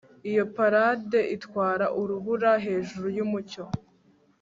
iyo parade itwara urubura hejuru yumucyo